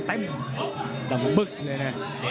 ขังอาวุธ